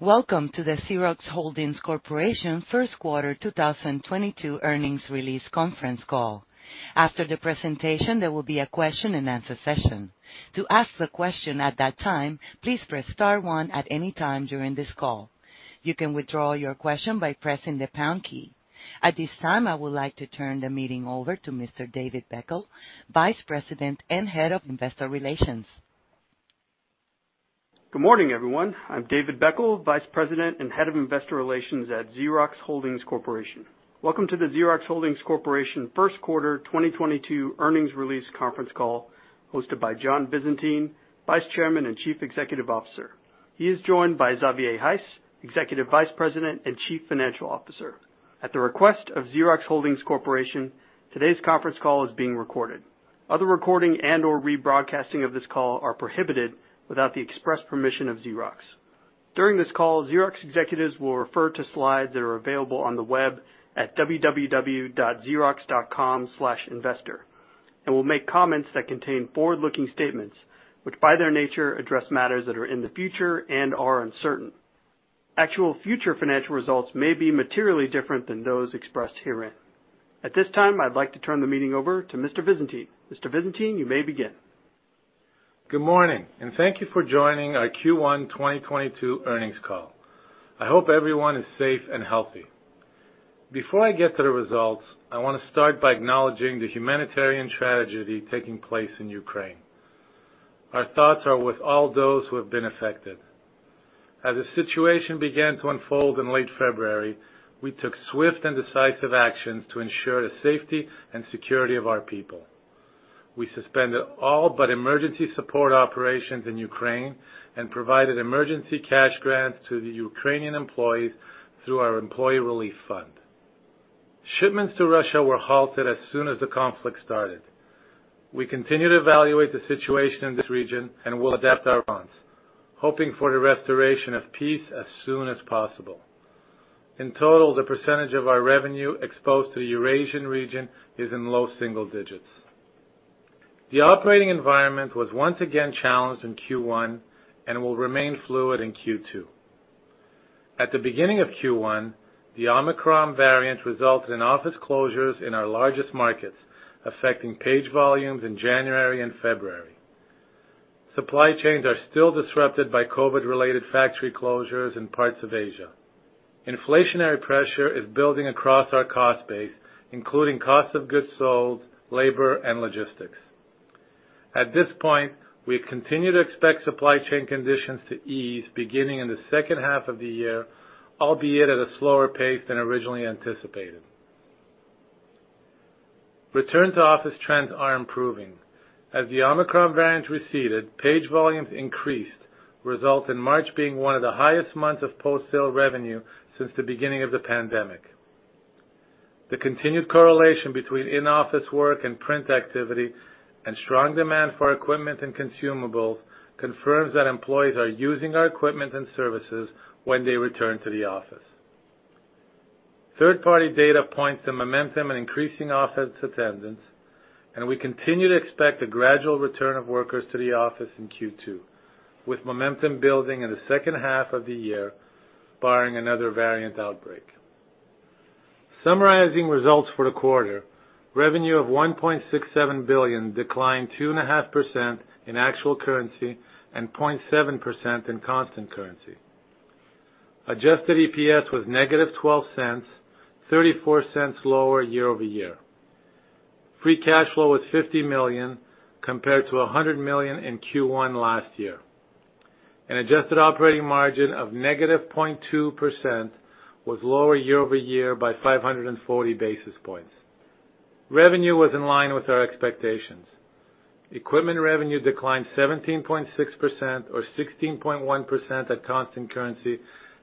Welcome to the Xerox Holdings Corporation First Quarter 2022 Earnings Release Conference Call. After the presentation, there will be a question-and-answer session. To ask the question at that time, please press star one at any time during this call. You can withdraw your question by pressing the pound key. At this time, I would like to turn the meeting over to Mr. David Beckel, Vice President and Head of Investor Relations. Good morning, everyone. I'm David Beckel, Vice President and Head of Investor Relations at Xerox Holdings Corporation. Welcome to the Xerox Holdings Corporation First Quarter 2022 Earnings Release Conference Call, hosted by John Visentin, Vice Chairman and Chief Executive Officer. He is joined by Xavier Heiss, Executive Vice President and Chief Financial Officer. At the request of Xerox Holdings Corporation, today's conference call is being recorded. Other recording and/or rebroadcasting of this call are prohibited, without the express permission of Xerox. During this call, Xerox executives will refer to slides that are available on the web at www.xerox.com/investor, and will make comments that contain forward-looking statements, which, by their nature, address matters that are in the future and are uncertain. Actual future financial results may be materially different than those expressed herein. At this time, I'd like to turn the meeting over to Mr. Visentin. Visentin, you may begin. Good morning, and thank you for joining our Q1 2022 earnings call. I hope everyone is safe and healthy. Before I get to the results, I wanna start by acknowledging the humanitarian tragedy taking place in Ukraine. Our thoughts are with all those who have been affected. As the situation began to unfold in late February, we took swift and decisive actions to ensure the safety and security of our people. We suspended all but emergency support operations in Ukraine, and provided emergency cash grants to the Ukrainian employees, through our employee relief fund. Shipments to Russia were halted as soon as the conflict started. We continue to evaluate the situation in this region, and we'll adapt our plans, hoping for the restoration of peace as soon as possible. In total, the percentage of our revenue exposed to the Eurasian region is in low single digits%. The operating environment was once again challenged in Q1, and will remain fluid in Q2. At the beginning of Q1, the Omicron variant resulted in office closures in our largest markets, affecting page volumes in January and February. Supply chains are still disrupted by COVID-related factory closures in parts of Asia. Inflationary pressure is building across our cost base, including cost of goods sold, labor, and logistics. At this point, we continue to expect supply chain conditions to ease beginning in the second half of the year, albeit at a slower pace than originally anticipated. Return to office trends are improving. As the Omicron variant receded, page volumes increased, resulting in March being one of the highest months of post-sale revenue since the beginning of the pandemic. The continued correlation between in-office work and print activity, and strong demand for equipment and consumables, confirms that employees are using our equipment and services, when they return to the office. Third-party data points the momentum in increasing office attendance, and we continue to expect a gradual return of workers to the office in Q2, with momentum building in the second half of the year, barring another variant outbreak. Summarizing results for the quarter, revenue of $1.67 billion declined 2.5% in actual currency and 0.7% in constant currency. Adjusted EPS was -$0.12, $0.34 lower year-over-year. Free cash flow was $50 million compared to $100 million in Q1 last year. An adjusted operating margin of -0.2% was lower year-over-year by 540 basis points. Revenue was in line with our expectations. Equipment revenue declined 17.6% or 16.1% at constant currency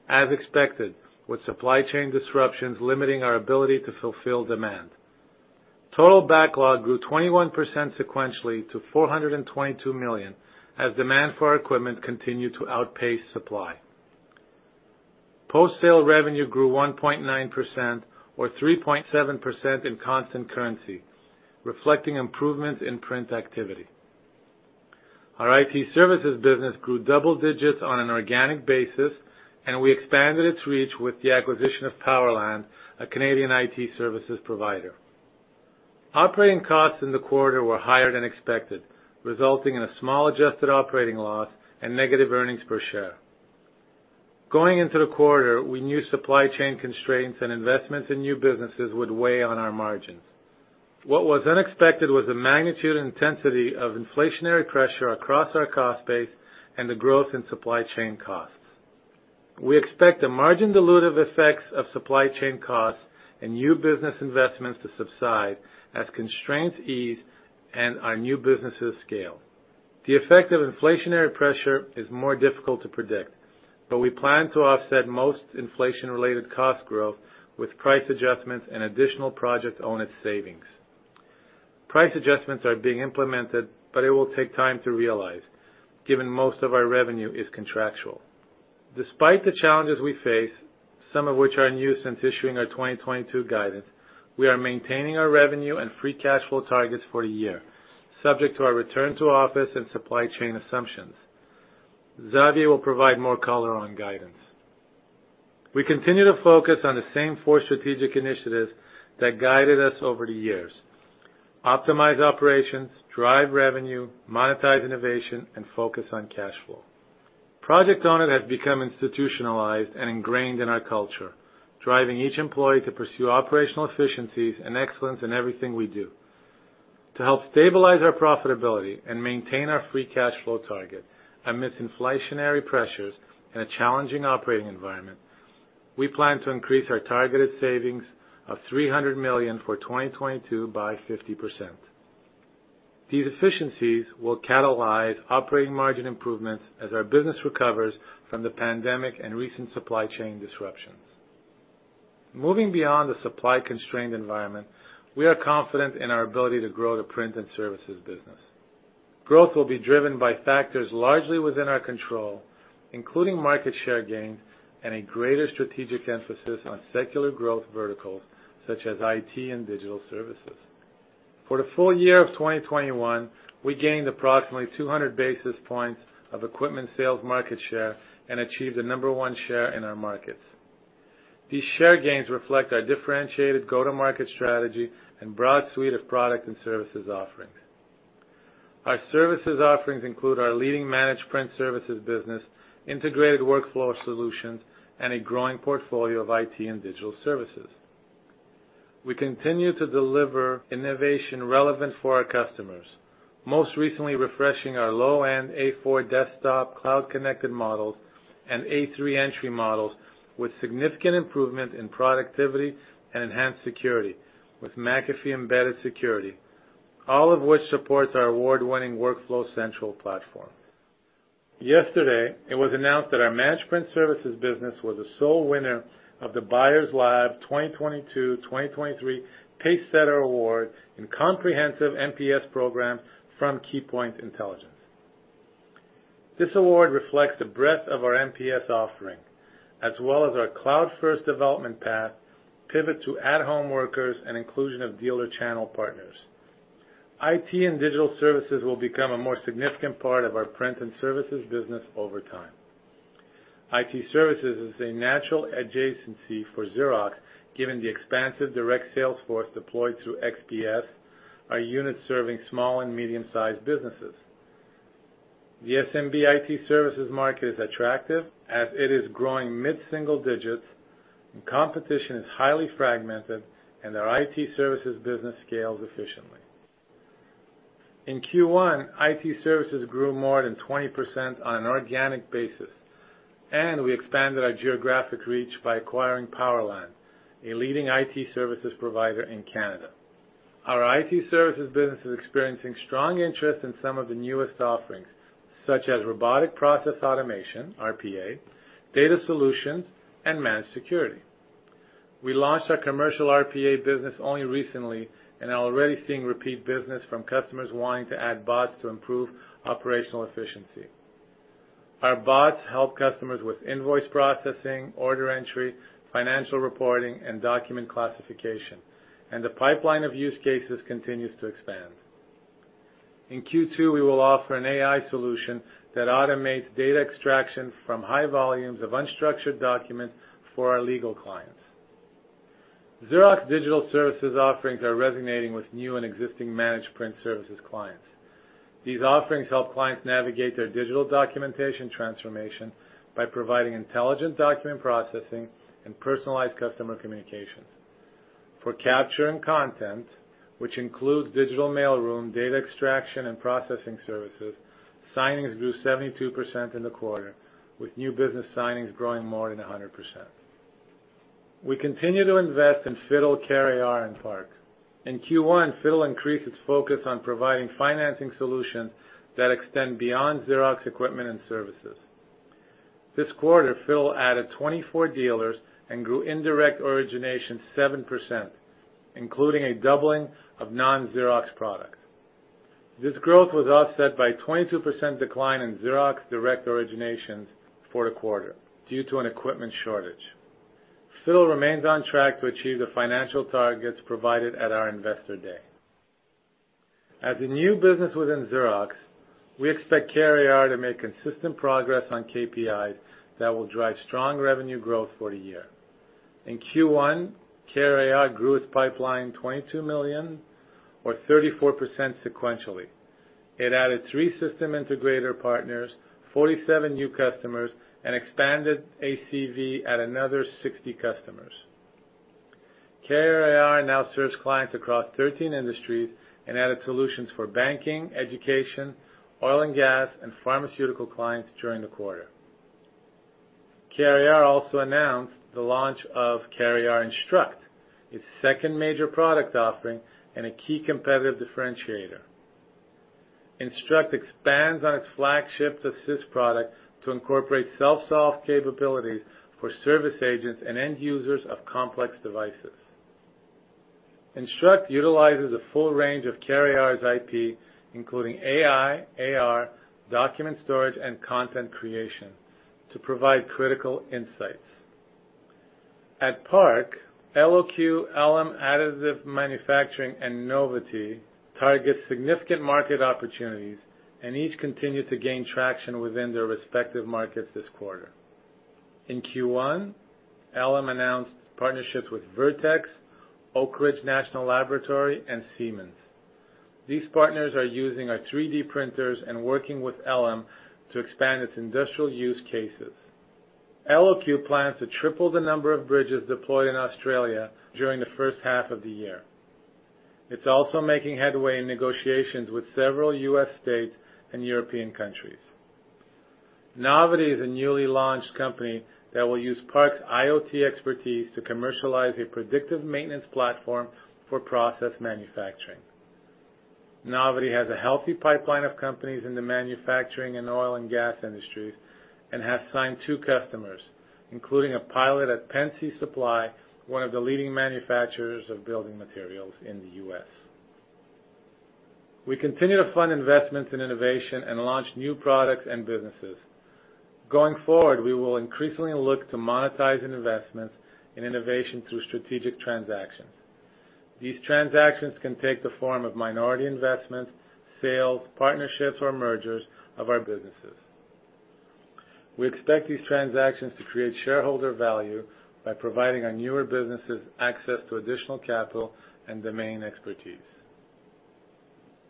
as expected, with supply chain disruptions limiting our ability to fulfill demand. Total backlog grew 21% sequentially to $422 million, as demand for our equipment continued to outpace supply. Post-sale revenue grew 1.9% or 3.7% in constant currency, reflecting improvement in print activity. Our IT services business grew double digits on an organic basis, and we expanded its reach with the acquisition of Powerland, a Canadian IT services provider. Operating costs in the quarter were higher than expected, resulting in a small adjusted operating loss, and negative earnings per share. Going into the quarter, we knew supply chain constraints and investments in new businesses would weigh on our margins. What was unexpected was the magnitude and intensity of inflationary pressure across our cost base and the growth in supply chain costs. We expect the margin dilutive effects of supply chain costs, and new business investments to subside as constraints ease and our new businesses scale. The effect of inflationary pressure is more difficult to predict, but we plan to offset most inflation-related cost growth with price adjustments and additional Project Own It savings. Price adjustments are being implemented, but it will take time to realize, given most of our revenue is contractual. Despite the challenges we face. Some of which are new since issuing our 2022 guidance, we are maintaining our revenue and free cash flow targets for the year, subject to our return to office and supply chain assumptions. Xavier will provide more color on guidance. We continue to focus on the same four strategic initiatives, that guided us over the years. Optimize operations, drive revenue, monetize innovation, and focus on cash flow. Project Own It has become institutionalized and ingrained in our culture, driving each employee to pursue operational efficiencies and excellence in everything we do. To help stabilize our profitability and maintain our free cash flow target, amidst inflationary pressures and a challenging operating environment, we plan to increase our targeted savings of $300 million for 2022 by 50%. These efficiencies will catalyze operating margin improvements as our business recovers from the pandemic and recent supply chain disruptions. Moving beyond the supply-constrained environment, we are confident in our ability to grow the print and services business. Growth will be driven by factors largely within our control, including market share gains, and a greater strategic emphasis on secular growth verticals such as IT and digital services. For the full year of 2021, we gained approximately 200 basis points of equipment sales market share and achieved the No. 1 share in our markets. These share gains reflect our differentiated go-to-market strategy and broad suite of product and services offerings. Our services offerings include our leading managed print services business, integrated workflow solutions, and a growing portfolio of IT and digital services. We continue to deliver innovation relevant for our customers, most recently refreshing our low-end A4 desktop cloud-connected models, and A3 entry models with significant improvement in productivity and enhanced security with McAfee embedded security, all of which supports our award-winning Workflow Central platform. Yesterday, it was announced that our managed print services business was the sole winner of the Buyers Lab 2022/2023 Pacesetter Award in comprehensive MPS program from Keypoint Intelligence. This award reflects the breadth of our MPS offering, as well as our cloud-first development path, pivot to at-home workers, and inclusion of dealer channel partners. IT and digital services will become a more significant part of our print and services business over time. IT services is a natural adjacency for Xerox, given the expansive direct sales force deployed through XPS, our unit serving small and medium-sized businesses. The SMB IT services market is attractive, as it is growing mid-single digits%, and competition is highly fragmented, and our IT services business scales efficiently. In Q1, IT services grew more than 20% on an organic basis, and we expanded our geographic reach by acquiring Powerland, a leading IT services provider in Canada. Our IT services business is experiencing strong interest in some of the newest offerings, such as robotic process automation, RPA, data solutions, and managed security. We launched our commercial RPA business only recently, and are already seeing repeat business from customers wanting to add bots to improve operational efficiency. Our bots help customers with invoice processing, order entry, financial reporting, and document classification, and the pipeline of use cases continues to expand. In Q2, we will offer an AI solution, that automates data extraction from high volumes of unstructured documents for our legal clients. Xerox digital services offerings are resonating with new and existing managed print services clients. These offerings help clients navigate their digital documentation transformation, by providing intelligent document processing, and personalized customer communications. For capture and content, which includes digital mail room data extraction and processing services, signings grew 72% in the quarter, with new business signings growing more than 100%. We continue to invest in Fittle, CareAR and PARC. In Q1, Fittle increased its focus on providing financing solutions that extend beyond Xerox equipment and services. This quarter, Fittle added 24 dealers and grew indirect origination 7%, including a doubling of non-Xerox products. This growth was offset by a 22% decline in Xerox direct originations for the quarter due to an equipment shortage. Fittle remains on track to achieve the financial targets provided at our Investor Day. As a new business within Xerox, we expect CareAR to make consistent progress on KPIs that will drive strong revenue growth for the year. In Q1, CareAR grew its pipeline $22 million or 34% sequentially. It added three system integrator partners, 47 new customers, and expanded ACV at another 60 customers. CareAR now serves clients across 13 industries, and added solutions for banking, education, oil and gas, and pharmaceutical clients during the quarter. CareAR also announced the launch of CareAR Instruct, its second major product offering, and a key competitive differentiator. Instruct expands on its flagship Assist product to incorporate self-solve capabilities for service agents and end users of complex devices. Instruct utilizes a full range of CareAR's IP, including AI, AR, document storage, and content creation to provide critical insights. At PARC, Eloque, Elem Additive Manufacturing, and Novity target significant market opportunities, and each continue to gain traction within their respective markets this quarter. In Q1, Elem announced partnerships with Vertex, Oak Ridge National Laboratory, and Siemens. These partners are using our 3D printers and working with Elem to expand its industrial use cases. Eloque plans to triple the number of bridges deployed in Australia during the first half of the year. It's also making headway in negotiations with several U.S. states and European countries. Novity is a newly launched company that will use PARC's IoT expertise to commercialize a predictive maintenance platform for process manufacturing. Novity has a healthy pipeline of companies in the manufacturing and oil and gas industries, and has signed two customers, including a pilot at Pennsy Supply, one of the leading manufacturers of building materials in the U.S. We continue to fund investments in innovation and launch new products and businesses. Going forward, we will increasingly look to monetizing investments in innovation through strategic transactions. These transactions can take the form of minority investments, sales, partnerships, or mergers of our businesses. We expect these transactions to create shareholder value by providing our newer businesses access to additional capital and domain expertise.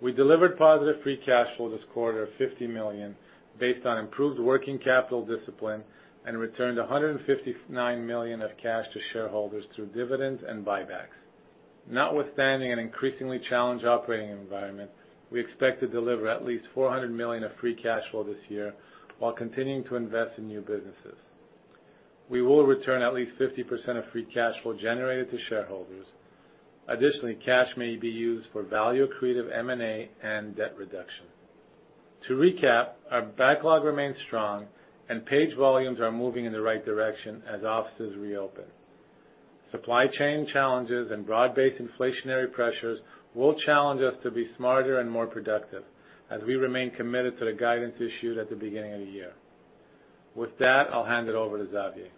We delivered positive free cash flow this quarter of $50 million, based on improved working capital discipline and returned $159 million of cash to shareholders through dividends and buybacks. Notwithstanding an increasingly challenged operating environment, we expect to deliver at least $400 million of free cash flow this year while continuing to invest in new businesses. We will return at least 50% of free cash flow generated to shareholders. Additionally, cash may be used for value-accretive M&A and debt reduction. To recap, our backlog remains strong, and page volumes are moving in the right direction as offices reopen. Supply chain challenges and broad-based inflationary pressures, will challenge us to be smarter and more productive, as we remain committed to the guidance issued at the beginning of the year. With that, I'll hand it over to Xavier.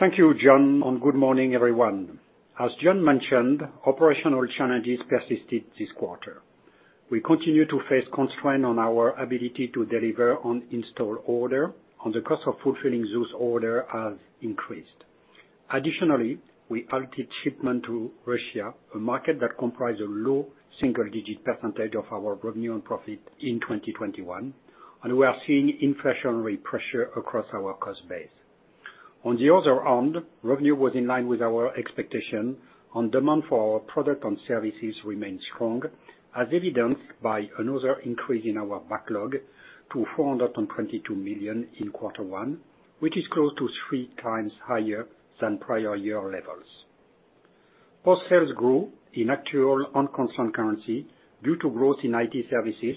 Thank you, John, and good morning, everyone. As John mentioned, operational challenges persisted this quarter. We continue to face constraints on our ability to deliver and install orders, and the cost of fulfilling those orders has increased. Additionally, we halted shipments to Russia, a market that comprises a low single-digit % of our revenue and profit in 2021, and we are seeing inflationary pressure across our cost base. On the other hand, revenue was in line with our expectations, and demand for our products and services remained strong, as evidenced by another increase in our backlog to $422 million in quarter one, which is close to three times higher than prior year levels. Post-sales grew, in actuals and on constant currency due to growth in IT services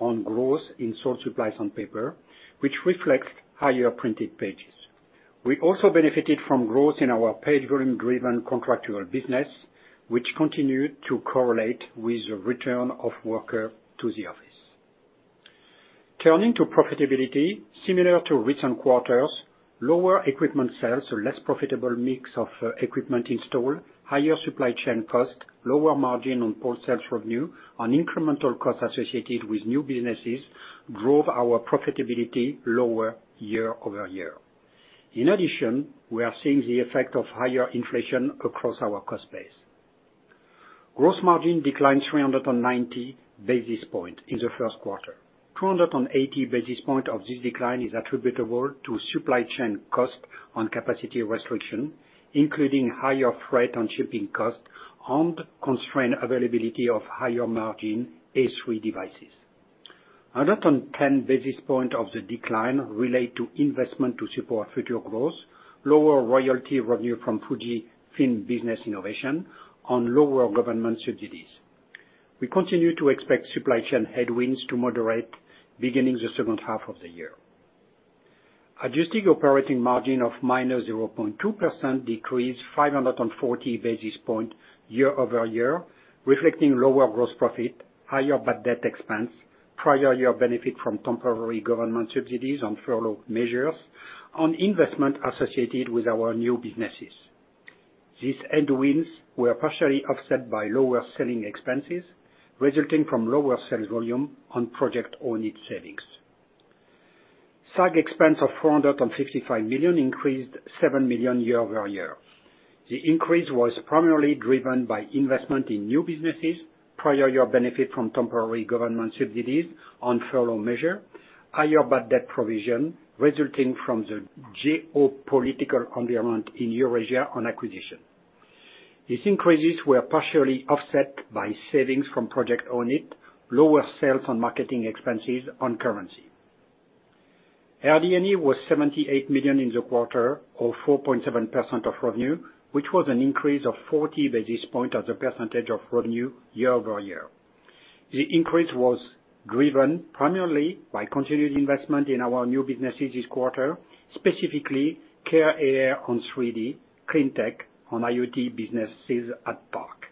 and growth in supplies and paper, which reflects higher printed pages. We also benefited from growth in our page volume-driven contractual business, which continued to correlate with the return of workers to the office. Turning to profitability. Similar to recent quarters, lower equipment sales or less profitable mix of equipment installed, higher supply chain costs, lower margin on post-sales revenue, and incremental costs associated with new businesses, drove our profitability lower year-over-year. In addition, we are seeing the effect of higher inflation across our cost base. Gross margin declined 390 basis points in the first quarter. 280 basis points of this decline is attributable to supply chain costs and capacity restrictions, including higher freight and shipping costs and constrained availability of higher margin A3 devices. 110 basis points of the decline relate to investments to support future growth, lower royalty revenue from FUJIFILM Business Innovation, and lower government subsidies. We continue to expect supply chain headwinds to moderate beginning in the second half of the year. Adjusted operating margin of -0.2% decreased 540 basis points year-over-year, reflecting lower gross profit, higher bad debt expense, prior year benefit from temporary government subsidies on furlough measures, and investments associated with our new businesses. These headwinds were partially offset by lower selling expenses, resulting from lower sales volume and Project Own It savings. SAG expense of $455 million increased $7 million year-over-year. The increase was primarily driven by investment in new businesses, prior year benefit from temporary government subsidies and furlough measure, higher bad debt provision resulting from the geopolitical environment in Eurasia and acquisition. These increases were partially offset by savings from Project Own It, lower sales and marketing expenses and currency. Our RD&E was $78 million in the quarter or 4.7% of revenue, which was an increase of 40 basis points as a percentage of revenue year-over-year. The increase was driven primarily by continued investment in our new businesses this quarter, specifically CareAR and 3D, Cleantech and IoT businesses at PARC.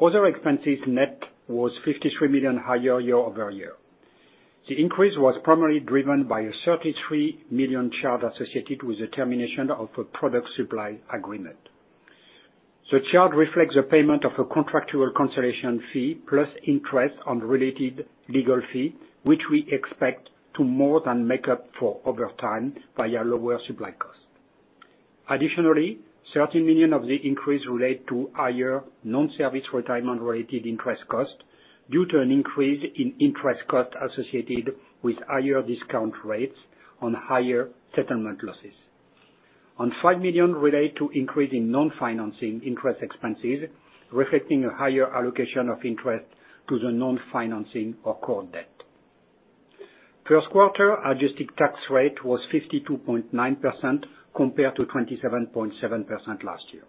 Other expenses net was $53 million higher year-over-year. The increase was primarily driven by a $33 million charge associated with the termination of a product supply agreement. The charge reflects the payment of a contractual consolidation fee, plus interest on related legal fee, which we expect to more than make up for over time by our lower supply cost. Additionally, $30 million of the increase relate to higher non-service retirement-related interest costs, due to an increase in interest costs associated with higher discount rates on higher settlement losses. Five million relate to increase in non-financing interest expenses, reflecting a higher allocation of interest to the non-financing of core debt. First quarter adjusted tax rate was 52.9%, compared to 27.7% last year.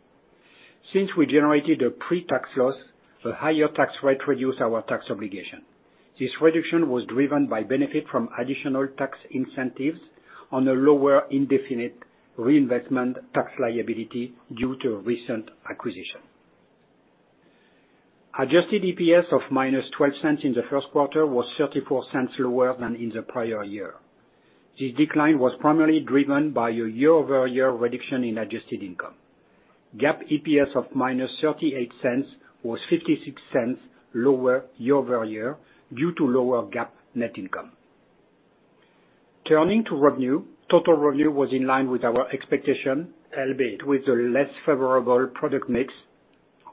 Since we generated a pre-tax loss, the higher tax rate reduced our tax obligation. This reduction was driven by benefit from additional tax incentives, on a lower indefinite reinvestment tax liability due to recent acquisition. Adjusted EPS of -$0.12 in the first quarter was $0.34 lower than in the prior year. This decline was primarily driven by a year-over-year reduction in adjusted income. GAAP EPS of -$0.38 was $0.56 lower year-over-year, due to lower GAAP net income. Turning to revenue, total revenue was in line with our expectation, albeit with a less favorable product mix,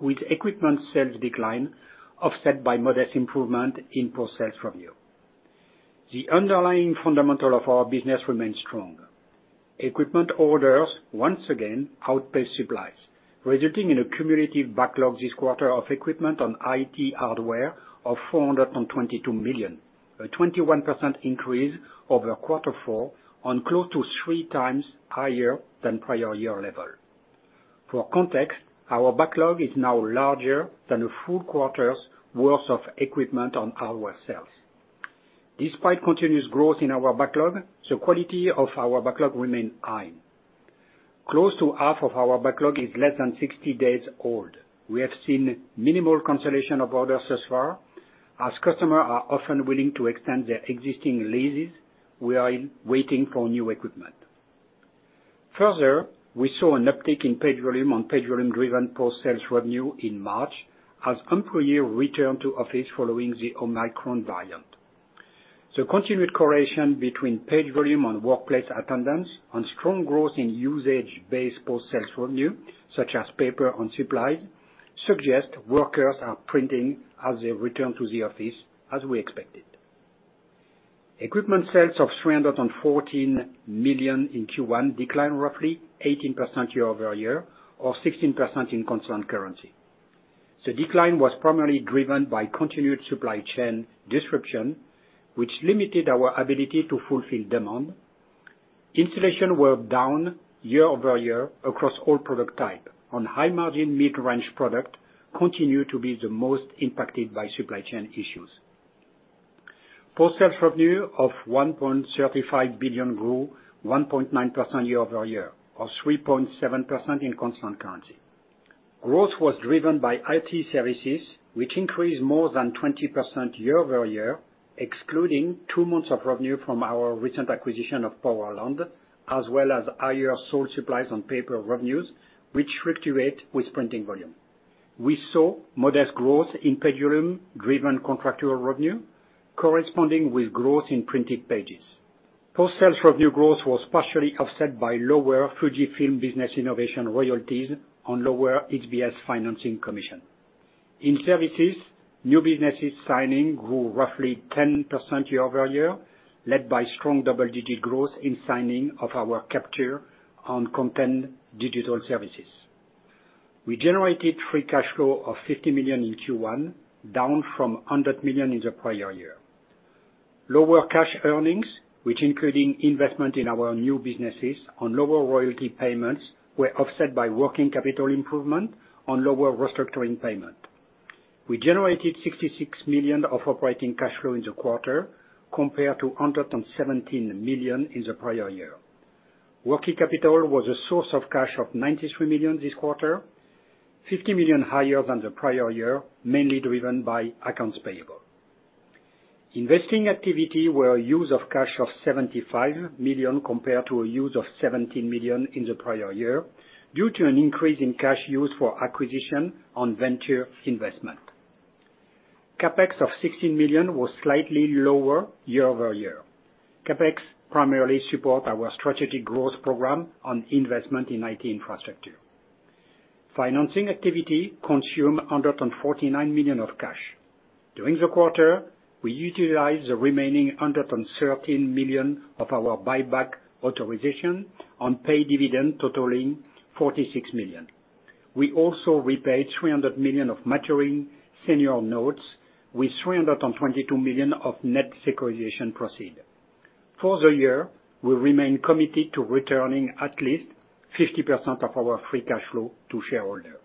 with equipment sales decline offset by modest improvement in post-sale revenue. The underlying fundamental of our business remains strong. Equipment orders, once again, outpaced supplies, resulting in a cumulative backlog this quarter of equipment and IT hardware of $422 million, a 21% increase, over quarter four and close to three times higher than prior year level. For context, our backlog is now larger than a full quarter's worth of equipment and hardware sales. Despite continuous growth in our backlog, the quality of our backlog remains high. Close to half of our backlog is less than 60 days old. We have seen minimal cancellation of orders thus far, as customers are often willing to extend their existing leases, while waiting for new equipment. Further, we saw an uptick in page volume and page volume-driven post-sales revenue in March, as employees returned to office following the Omicron variant. The continued correlation between page volume and workplace attendance, and strong growth in usage-based post-sales revenue, such as paper and supplies, suggest workers are printing as they return to the office, as we expected. Equipment sales of $314 million in Q1 declined roughly 18% year-over-year, or 16% in constant currency. The decline was primarily driven by continued supply chain disruption, which limited our ability to fulfill demand. Installations were down year-over-year across all product types. Our high-margin mid-range products continue to be the most impacted by supply chain issues. Post-sales revenue of $1.35 billion grew, 1.9% year-over-year, or 3.7% in constant currency. Growth was driven by IT services, which increased more than 20% year-over-year, excluding two months of revenue from our recent acquisition of Powerland, as well as higher sold supplies and paper revenues, which fluctuate with printing volume. We saw modest growth in page volume-driven contractual revenue, corresponding with growth in printed pages. Post-sales revenue growth was partially offset by lower FUJIFILM Business Innovation royalties, and lower HBS financing commissions. In services, new business signings grew roughly 10% year-over-year, led by strong double-digit growth in signings of our capture and content digital services. We generated free cash flow of $50 million in Q1, down from $100 million in the prior year. Lower cash earnings, which including investment in our new businesses on lower royalty payments, were offset by working capital improvement, on lower restructuring payment. We generated $66 million of operating cash flow in the quarter compared to $117 million in the prior year. Working capital was a source of cash of $93 million this quarter, $50 million higher than the prior year, mainly driven by accounts payable. Investing activity were a use of cash of $75 million compared to a use of $17 million in the prior year, due to an increase in cash used for acquisition on venture investment. CapEx of $16 million was slightly lower year-over-year. CapEx primarily support our strategic growth program on investment in IT infrastructure. Financing activity consumed $149 million of cash. During the quarter, we utilized the remaining $113 million of our buyback authorization and paid dividends totaling $46 million. We also repaid $300 million of maturing senior notes with $322 million of net securitization proceeds. For the year, we remain committed to returning at least 50% of our free cash flow to shareholders.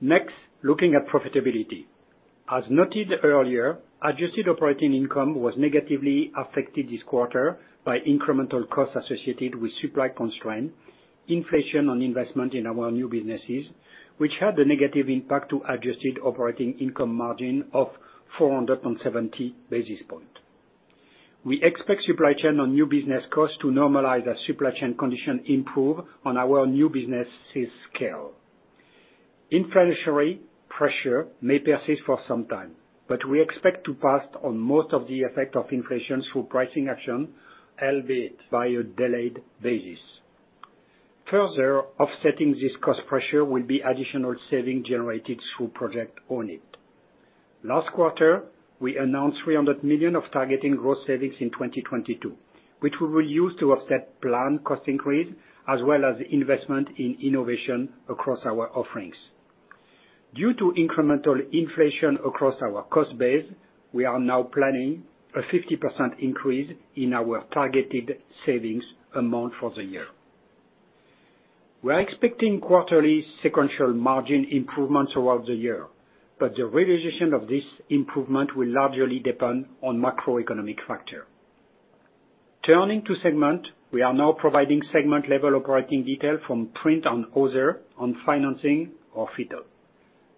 Next, looking at profitability. As noted earlier, adjusted operating income was negatively affected this quarter, by incremental costs associated with supply constraints, inflation and investment in our new businesses, which had a negative impact to adjusted operating income margin of 470 basis points. We expect supply chain and new business costs to normalize as supply chain conditions improve and our new businesses scale. Inflationary pressure may persist for some time, but we expect to pass on most of the effect of inflation through pricing action, albeit on a delayed basis. Further offsetting this cost pressure will be additional savings generated through Project Own It. Last quarter, we announced $300 million of targeted gross savings in 2022, which we will use to offset planned cost increases as well as investments in innovation across our offerings. Due to incremental inflation across our cost base, we are now planning a 50% increase, in our targeted savings amount for the year. We are expecting quarterly sequential margin improvements throughout the year, but the realization of this improvement will largely depend on macroeconomic factors. Turning to segments, we are now providing segment-level operating detail from Print and Other and financing, or FITTLE.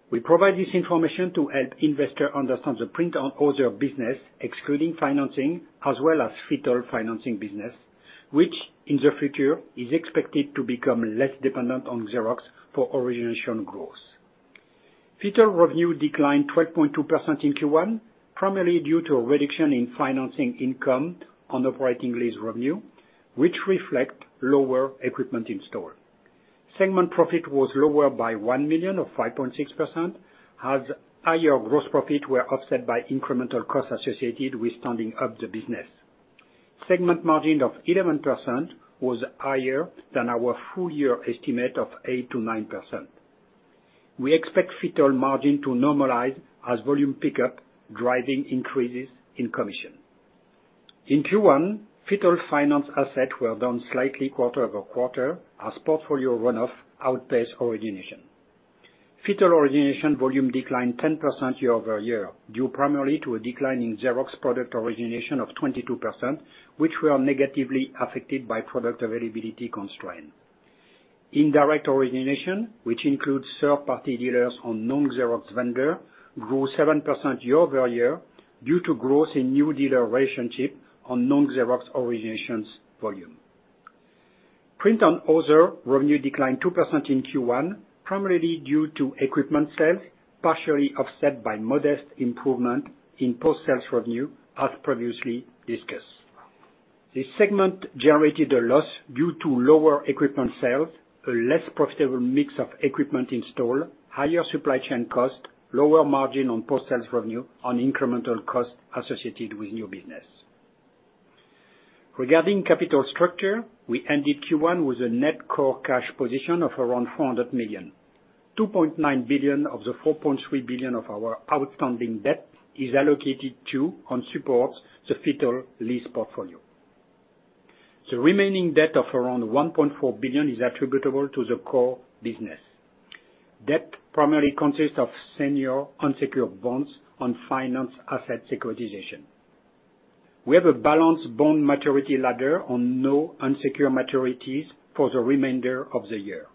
We provide this information to help investors understand the Print and Other business, excluding financing, as well as FITTLE financing business, which in the future is expected to become less dependent on Xerox for origination growth. FITTLE revenue declined 12.2% in Q1, primarily due to a reduction in financing income on operating lease revenue, which reflects lower equipment installed. Segment profit was lower by $1 million or 5.6%, as higher gross profit were offset by incremental costs associated with standing up the business. Segment margin of 11%, was higher than our full-year estimate of 8%-9%. We expect FITTLE margin to normalize as volume pick up, driving increases in commission. In Q1, FITTLE finance assets were down slightly quarter-over-quarter as portfolio run-off outpaced origination. FITTLE origination volume declined 10% year-over-year, due primarily to a decline in Xerox product origination of 22%, which were negatively affected by product availability constraint. Indirect origination, which includes third-party dealers and non-Xerox vendor, grew 7% year-over-year, due to growth in new dealer relationship and non-Xerox originations volume. Print and Other revenue declined 2% in Q1, primarily due to equipment sales, partially offset by modest improvement in post-sales revenue as previously discussed. This segment generated a loss due to lower equipment sales, a less profitable mix of equipment installed, higher supply chain cost, lower margin on post-sales revenue and incremental cost associated with new business. Regarding capital structure, we ended Q1 with a net core cash position of around $400 million. $2.9 billion of the $4.3 billion of our outstanding debt, is allocated to and supports the FITTLE lease portfolio. The remaining debt of around $1.4 billion is attributable to the core business. Debt primarily consists of senior unsecured bonds and finance asset securitization. We have a balanced bond maturity ladder with no unsecured maturities for the remainder of the year.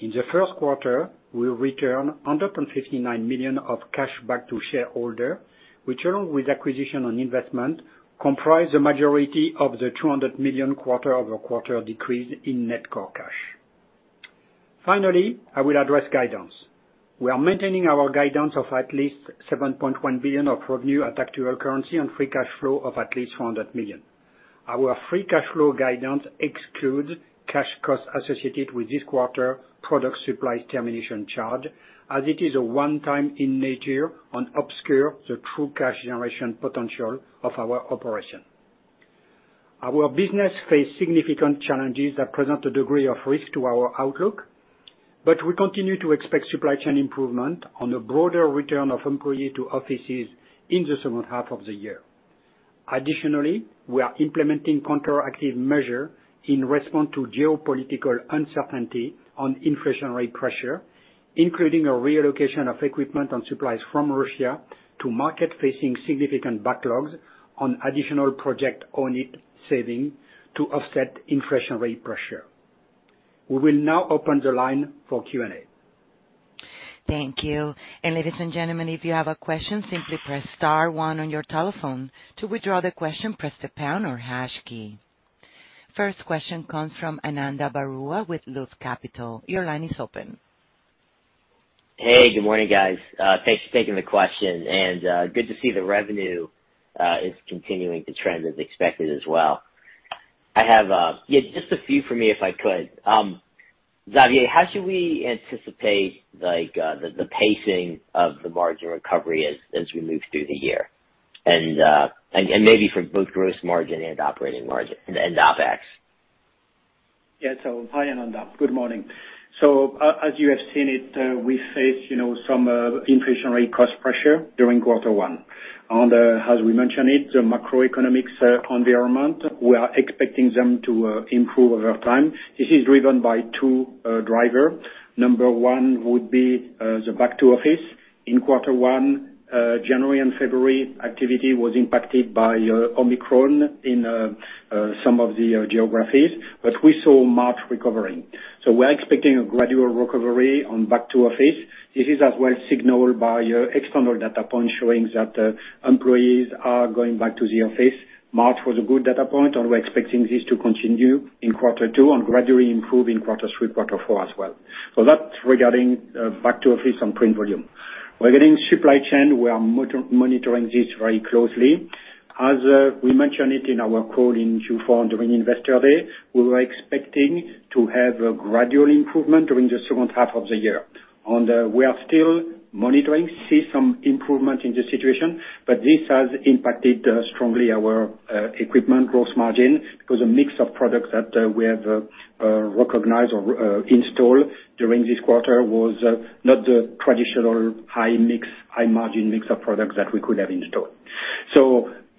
In the first quarter, we return $159 million of cash back to shareholder, which along with acquisitions and investments, comprise the majority of the $200 million quarter-over-quarter decrease in net core cash. Finally, I will address guidance. We are maintaining our guidance of at least $7.1 billion of revenue at actual currency and free cash flow of at least $400 million. Our free cash flow guidance excludes cash costs associated with this quarter's product supply termination charge, as it is one-time in nature and obscures the true cash generation potential of our operations. Our business faces significant challenges that present a degree of risk to our outlook, but we continue to expect supply chain improvement and a broader return of employees to offices in the second half of the year. Additionally, we are implementing counteractive measures in response to geopolitical uncertainty and inflation rate pressure, including a reallocation of equipment and supplies from Russia to markets facing significant backlogs and additional Project Own It savings to offset inflation rate pressure. We will now open the line for Q&A. Thank you. Ladies and gentlemen, if you have a question, simply press star one on your telephone. To withdraw the question, press the pound or hash key. First question comes from Ananda Baruah with Loop Capital. Your line is open. Hey, good morning, guys. Thanks for taking the question and good to see the revenue, is continuing to trend as expected as well. I have yeah, just a few for me if I could. Xavier, how should we anticipate like the pacing of the margin recovery as we move through the year? Maybe for both gross margin and operating margin and OpEx. Yeah. Hi, Ananda. Good morning. As you have seen it, we face, you know, some inflationary cost pressure during quarter one. As we mentioned it, the macroeconomic environment, we are expecting them to improve over time. This is driven by two drivers. Number one would be the back to office. In quarter one, January and February, activity was impacted by Omicron in some of the geographies, but we saw March recovering. We're expecting a gradual recovery on back to office. This is as well signaled by external data point showing that employees are going back to the office. March was a good data point, and we're expecting this to continue in quarter two and gradually improve in quarter three, quarter four as well. That's regarding back to office and print volume. Regarding supply chain, we are monitoring this very closely. As we mentioned it in our call in Q4 during Investor Day, we were expecting to have a gradual improvement during the second half of the year. We are still monitoring, see some improvement in the situation, but this has impacted strongly our equipment gross margin because the mix of products that we have recognized, or installed during this quarter was not the traditional high mix, high margin mix of products that we could have installed.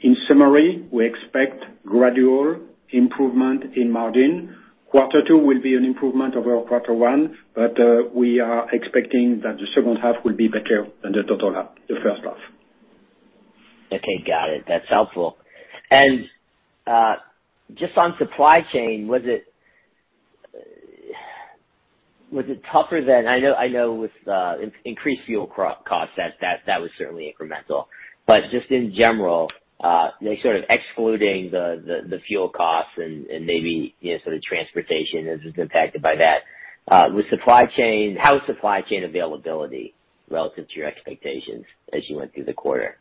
In summary, we expect gradual improvement in margin. Quarter two will be an improvement over quarter one, but we are expecting that the second half will be better than the total half, the first half. Okay, got it. That's helpful. Just on supply chain, was it tougher than I know with increased fuel cost that was certainly incremental. But just in general, sort of excluding the fuel costs and maybe, you know, sort of transportation as it's impacted by that, how is supply chain availability relative to your expectations as you went through the quarter?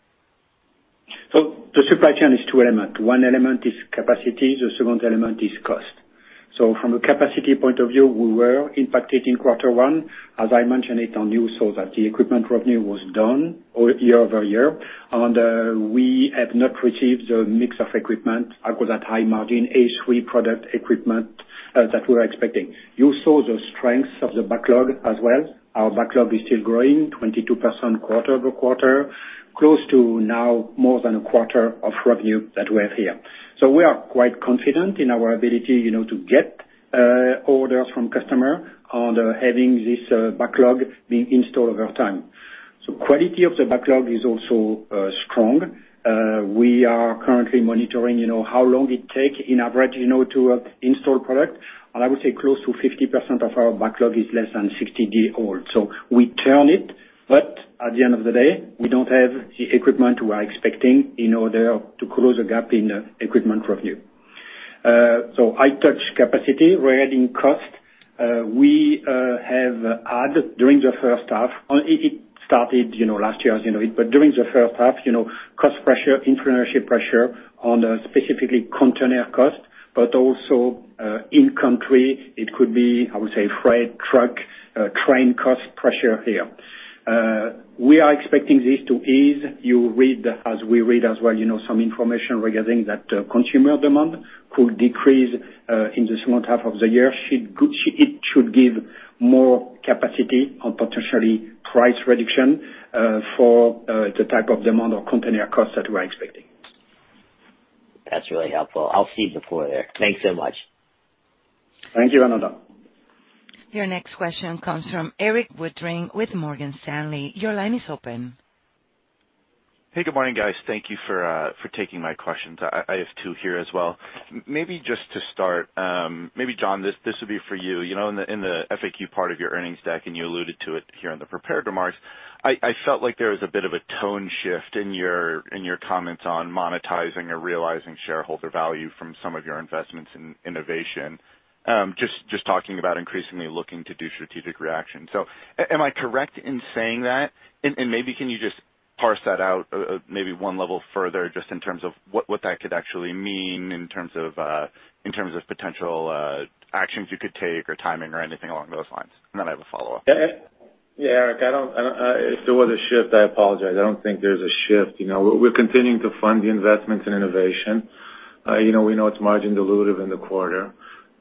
The supply chain is two elements. One element is capacity, the second element is cost. From a capacity point of view, we were impacted in quarter one. As I mentioned to you, the equipment revenue was down year-over-year, and we have not received the mix of equipment, I call that high margin, A3 product equipment, that we were expecting. You saw the strength of the backlog as well. Our backlog is still growing 22% quarter-over-quarter, close to now more than a quarter of revenue that we have here. We are quite confident in our ability, you know, to get orders from customer on having this backlog being installed over time. The quality of the backlog is also strong. We are currently monitoring, you know, how long it take in average, you know, to install product. I would say close to 50% of our backlog is less than 60 days old. We turn it, but at the end of the day, we don't have the equipment we are expecting in order to close the gap in equipment revenue. I touch capacity. Regarding cost, we have had during the first half, you know, last year as you know, but during the first half, you know, cost pressure, inflationary pressure on specifically container cost, but also, in country, it could be, I would say, freight, truck, train cost pressure here. We are expecting this to ease. You read as we read as well, you know, some information regarding that consumer demand, could decrease in the second half of the year. It should give more capacity on potentially price reduction, for the type of demand or container cost that we're expecting. That's really helpful. I'll cede the floor there. Thanks so much. Thank you, Ananda. Your next question comes from Erik Woodring with Morgan Stanley. Your line is open. Hey, good morning, guys. Thank you for taking my questions. I have two here as well. Maybe just to start, maybe John, this would be for you. You know, in the FAQ part of your earnings deck, and you alluded to it here in the prepared remarks, I felt like there was a bit of a tone shift in your comments on monetizing or realizing shareholder value from some of your investments in innovation. Just talking about increasingly looking to do strategic transactions. Am I correct in saying that? And maybe can you just parse that out, maybe one level further, just in terms of what that could actually mean in terms of potential actions you could take or timing or anything along those lines. I have a follow-up. Yeah, Erik, if there was a shift, I apologize. I don't think there's a shift. You know, we're continuing to fund the investments in innovation. You know, we know it's margin dilutive in the quarter.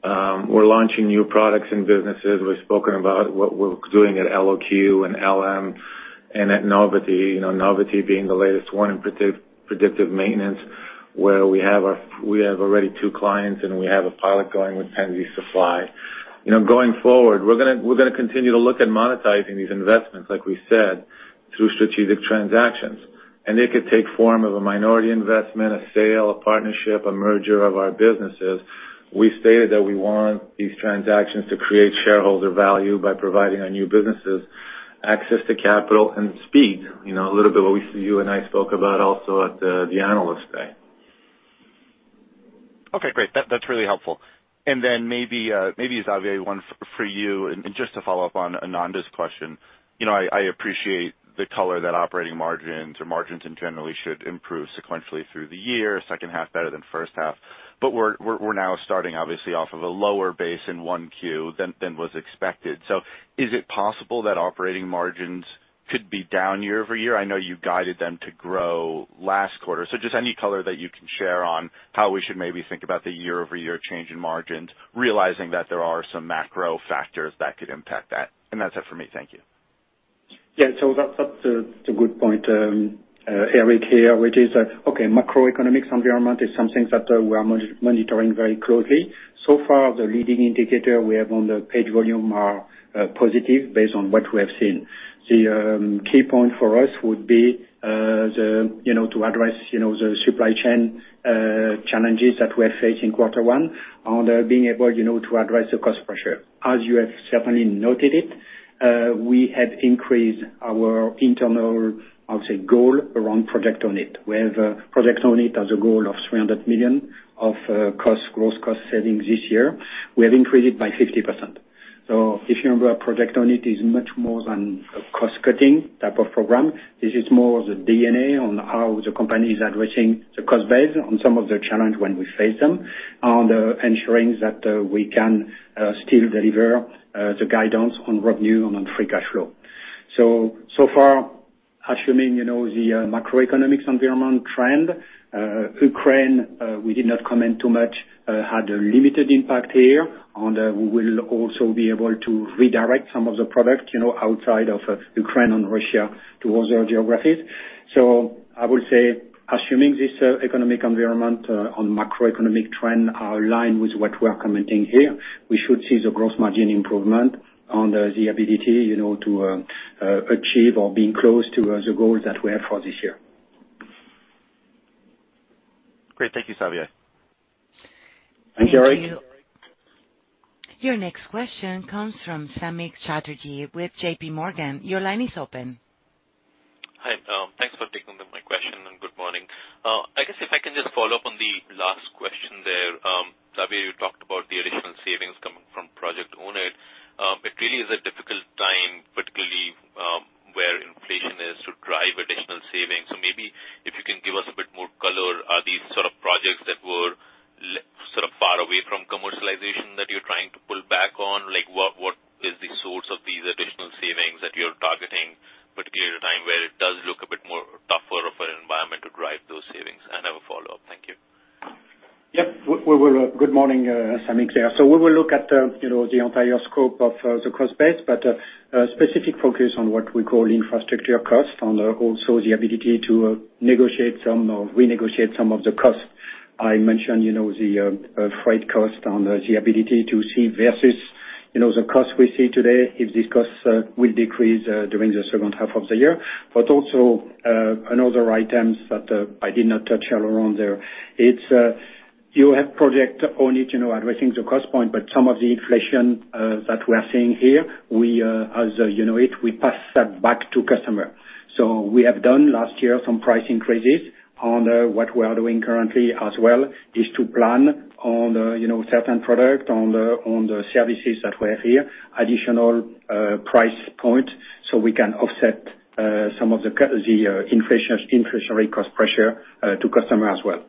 We're launching new products and businesses. We've spoken about what we're doing at Eloque and Elem and at Novity. You know, Novity being the latest one in predictive maintenance, where we have already two clients, and we have a pilot going with Pennsy Supply. You know, going forward, we're gonna continue to look at monetizing these investments, like we said, through strategic transactions. It could take form of a minority investment, a sale, a partnership, a merger of our businesses. We stated that we want these transactions to create shareholder value by providing our new businesses access to capital and speed. You know, a little bit what you and I spoke about also at the Analyst Day. Okay, great. That's really helpful. Maybe, Xavier, one for you, and just to follow up on Ananda's question. You know, I appreciate the color that operating margins or margins in general should improve sequentially through the year, second half better than first half, but we're now starting obviously off of a lower base in Q1 than was expected. Is it possible that operating margins could be down year-over-year. I know you guided them to grow last quarter. Just any color that you can share on how we should maybe think about the year-over-year change in margins, realizing that there are some macro factors that could impact that. That's it for me. Thank you. Yeah. That's a good point, Eric, here, which is that macroeconomics environment is something that we are monitoring very closely. So far, the leading indicator we have on the page volume are, positive based on what we have seen. The key point for us would be the, you know, to address the supply chain challenges that we are facing quarter one and being able, you know, to address the cost pressure. As you have certainly noted it, we had increased our internal, I would say, goal around Project Own It. We have Project Own It as a goal of $300 million, of gross cost savings this year. We have increased it by 50%. If you remember, Project Own It is much more than a cost-cutting type of program. This is more the DNA on how the company is addressing the cost base on some of the challenges when we face them, on ensuring that we can still deliver the guidance on revenue and on free cash flow. So far, assuming you know the macroeconomic environment trend, Ukraine, we did not comment too much, had a limited impact here, and we will also be able to redirect some of the product, you know, outside of Ukraine and Russia towards other geographies. I would say assuming this economic environment on macroeconomic trend are aligned with what we're commenting here, we should see the gross margin improvement on the ability, you know, to achieve or being close to the goals that we have for this year. Great. Thank you, Xavier. Thanks, Erik. Thank you. Your next question comes from Samik Chatterjee with JPMorgan. Your line is open. Hi, thanks for taking my question, and good morning. I guess if I can just follow up on the last question there. Xavier, you talked about the additional savings coming from Project Own It. It really is a difficult time, particularly where inflation is, to drive additional savings. So maybe if you can give us a bit more color, are these sort of projects that were sort of far away from commercialization that you're trying to pull back on? Like, what is the source of these additional savings that you're targeting, particularly at a time where it does look a bit more tougher of an environment to drive those savings? And I have a follow-up. Thank you. Yeah. We will. Good morning, Samik, there. We will look at, you know, the entire scope of the cost base, but a specific focus on what we call infrastructure cost and also the ability to renegotiate some of the costs. I mentioned, you know, the freight cost and the ability to save versus, you know, the cost we see today, if these costs will decrease during the second half of the year, but also another items that I did not touch at all on there. You have Project Own It, you know, addressing the cost point, but some of the inflation that we are seeing here, we, as you know, we pass that back to customer. We have done last year some price increases, on what we are doing currently as well is to plan on you know certain product on the on the services that were here additional price point so we can offset some of the the inflationary cost pressure to customer as well.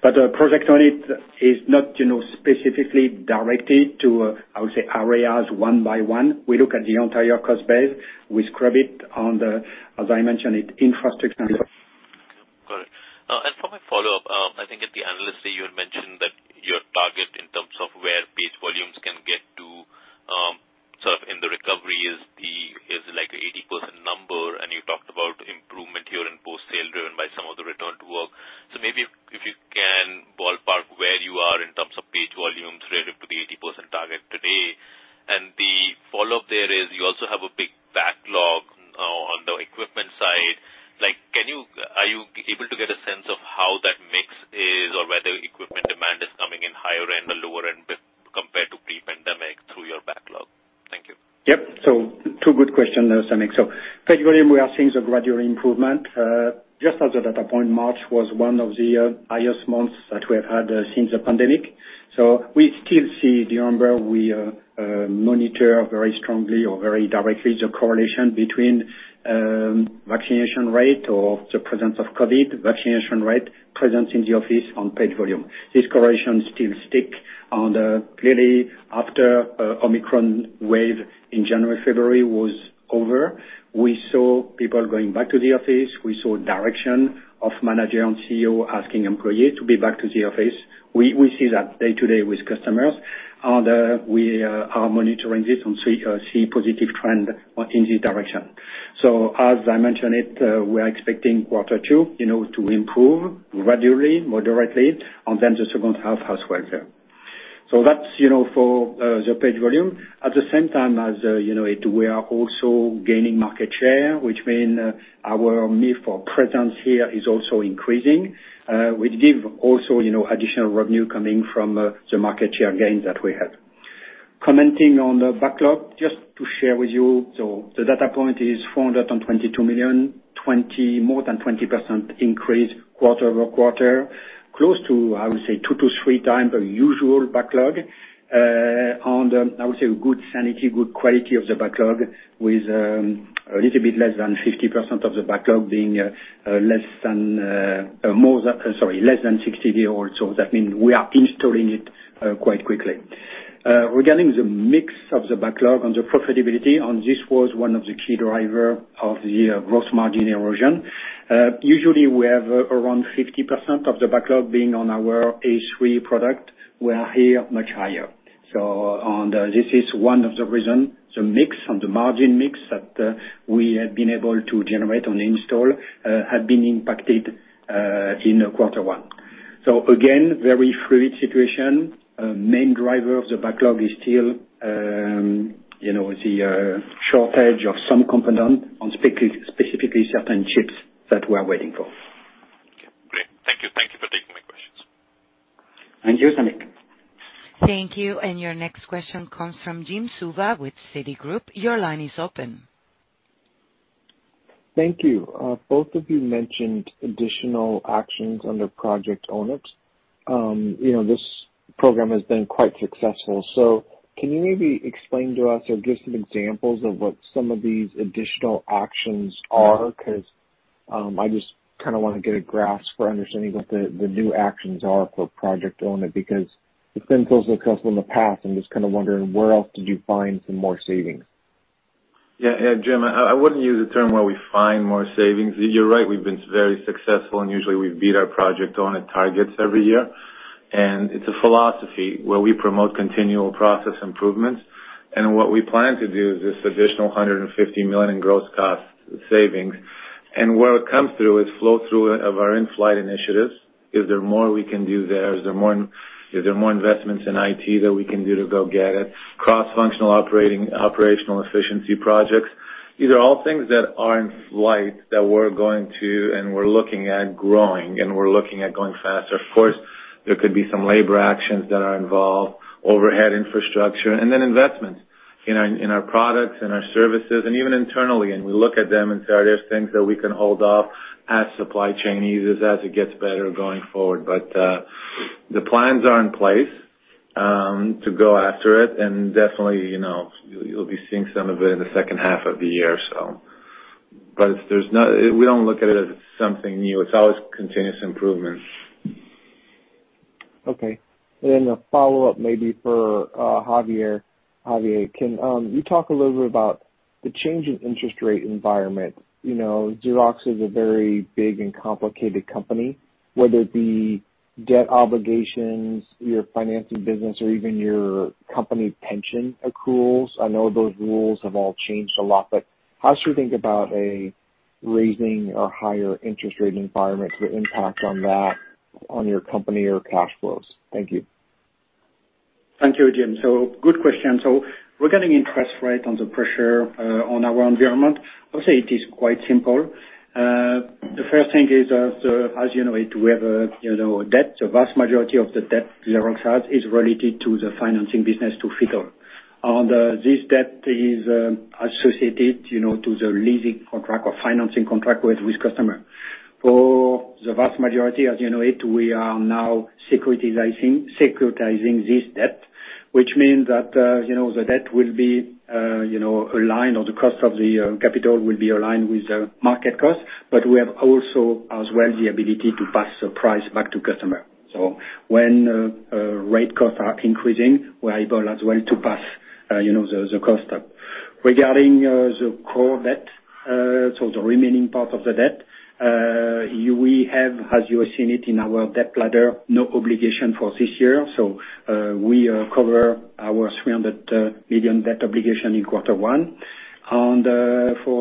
Project Own It is not you know specifically directed to I would say areas one by one. We look at the entire cost base. We scrub it on the as I mentioned it infrastructure. Got it. For my follow-up, I think at the Investor Day you had mentioned that your target in terms of where page volumes can get to, sort of in the recovery is like 80% number, and you talked about improvement here in post-sale driven by some of the return to work. Maybe if you can ballpark where you are in terms of page volumes relative to the 80% target today. The follow-up there is you also have a big backlog on the equipment side. Like, are you able to get a sense of how that mix is or whether equipment demand is coming in higher end or lower end compared to pre-pandemic through your backlog? Thank you. Yep. Two good questions, Samik. Page volume, we are seeing the gradual improvement. Just as a data point, March was one of the highest months that we have had since the pandemic. We still see the number. We monitor very strongly or very directly the correlation between vaccination rate or the presence of COVID, presence in the office on page volume. This correlation still stick. Clearly, after Omicron wave in January, February was over, we saw people going back to the office. We saw directives from managers and CEOs asking employees to be back to the office. We see that day to day with customers. We are monitoring this and see positive trend in this direction. As I mentioned it, we are expecting quarter two, you know, to improve gradually, moderately, and then the second half as well there. That's, you know, for the page volume. At the same time as, you know it, we are also gaining market share, which means our need for presence here is also increasing, which gives also, you know, additional revenue coming from the market share gains that we have. Commenting on the backlog, just to share with you, the data point is $422 million, more than 20% increase quarter-over-quarter. Close to, I would say, two to three times the usual backlog. I would say good sanity, good quality of the backlog with a little bit less than 50% of the backlog being less than 60 days old. That means we are installing it quite quickly. Regarding the mix of the backlog and the profitability, this was one of the key driver of the gross margin erosion. Usually, we have around 50% of the backlog being on our A3 product. We are here much higher. This is one of the reason, the mix on the margin mix that we have been able to generate on install have been impacted in quarter one. Again, very fluid situation. Main driver of the backlog is still, you know, the shortage of some component on specifically certain chips that we're waiting for. Okay, great. Thank you. Thank you for taking my questions. Thank you, Samik. Thank you. Your next question comes from Jim Suva with Citigroup. Your line is open. Thank you. Both of you mentioned additional actions under Project Own It. You know, this program has been quite successful. Can you maybe explain to us or give some examples of what some of these additional actions are? 'Cause, I just kinda wanna get a grasp for understanding what the new actions are for Project Own It, because you've been close with us in the past. I'm just kinda wondering where else did you find some more savings? Yeah, Jim, I wouldn't use the term where we find more savings. You're right, we've been very successful and usually we beat our Project Own It targets every year. It's a philosophy, where we promote continual process improvements. What we plan to do is this additional $150 million in gross cost savings. Where it comes through is flow through of our in-flight initiatives. Is there more we can do there? Is there more investments in IT that we can do to go get it? Cross-functional operational efficiency projects. These are all things that are in flight that we're going to and we're looking at growing and we're looking at going faster. Of course, there could be some labor actions that are involved, overhead infrastructure, and then investments in our products, in our services, and even internally. We look at them and say, are there things that we can hold off as supply chain eases, as it gets better going forward? The plans are in place to go after it. Definitely, you know, you'll be seeing some of it in the second half of the year, so. There's no. We don't look at it as something new. It's always continuous improvement. Okay. A follow-up maybe for Xavier. Xavier, can you talk a little bit about the change in interest rate environment? You know, Xerox is a very big and complicated company, whether it be debt obligations, your financing business, or even your company pension accruals. I know those rules have all changed a lot, but how should we think about a raising or higher interest rate environment, the impact on that on your company or cash flows? Thank you. Thank you, Jim. Good question. Regarding the interest rate environment, I would say it is quite simple. The first thing is as you know, we have a debt. The vast majority of the debt Xerox has is related to the financing business of Fittle. This debt is associated to the leasing contract or financing contract with customer. For the vast majority, as you know, we are now securitizing this debt, which means that the debt will be aligned or the cost of the capital will be aligned with the market cost. We have also as well the ability to pass the price back to customer. When rate costs are increasing, we're able as well to pass, you know, the cost up. Regarding the core debt, the remaining part of the debt, we have, as you have seen it in our debt ladder, no obligation for this year. We cover our $300 million debt obligation in quarter one. For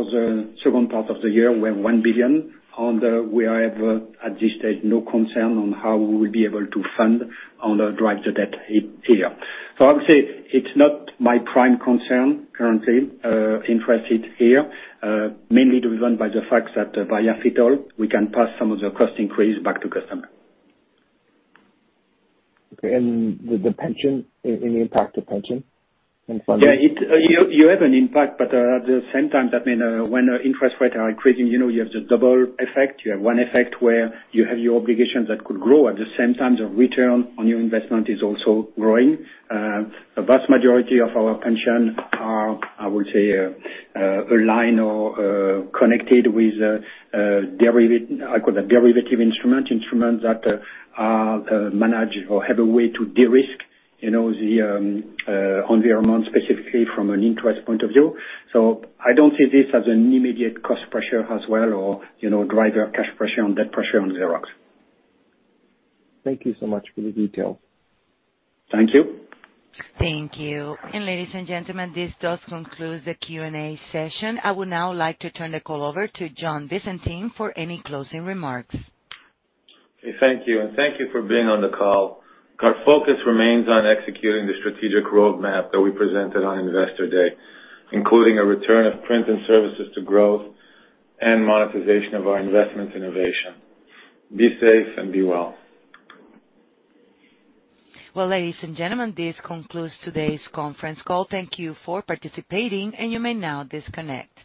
the second part of the year, we have $1 billion and we have at this stage no concern on how we will be able to fund and repay the debt here. Obviously it's not my prime concern currently, of interest here, mainly driven by the fact that via Fittle, we can pass some of the cost increase back to customer. Okay. The pension, any impact to pension and funding? Yeah. You have an impact, but at the same time, that means when interest rates are increasing, you know you have the double effect. You have one effect where you have your obligations that could grow. At the same time, the return on your investment is also growing. A vast majority of our pension are, I would say, aligned or connected with, derivative instruments that are managed or have a way to de-risk, you know, the environment specifically from an interest point of view. So I don't see this as an immediate cost pressure as well, or you know driver cash pressure on debt pressure on Xerox. Thank you so much for the detail. Thank you. Thank you. Ladies and gentlemen, this does conclude the Q&A session. I would now like to turn the call over to John Visentin for any closing remarks. Okay, thank you, and thank you for being on the call. Our focus remains on executing the strategic roadmap that we presented on Investor Day, including a return of print and services to growth and monetization of our investment innovation. Be safe and be well. Well, ladies and gentlemen, this concludes today's conference call. Thank you for participating, and you may now disconnect.